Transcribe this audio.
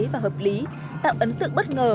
và hợp lý tạo ấn tượng bất ngờ